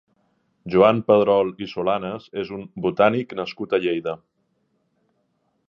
Joan Pedrol i Solanes és un botànic nascut a Lleida.